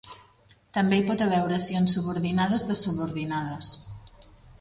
També hi pot haver oracions subordinades de subordinades.